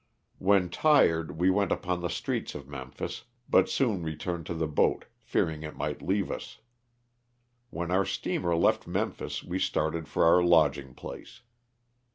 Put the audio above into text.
When tired we went upon the streets of Memphis, but soon returned to the boat fearing it might leave us. When our steamer left Memphis we started for our lodging place.